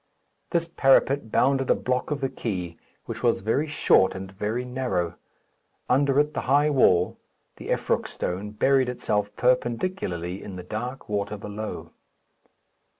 This parapet bounded a block of the quay, which was very short and very narrow. Under it the high wall, the Effroc stone, buried itself perpendicularly in the dark water below.